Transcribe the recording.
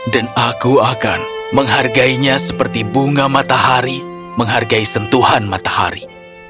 dan aku akan menghargainya seperti bunga matahari menghargai sentuhan matahari